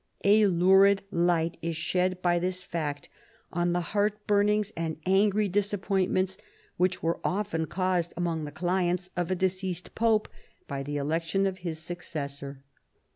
A lurid light is shed by this fact on the heart burnings and angry disappointments which were often caused among the clients of a deceased pope by the election of his successor.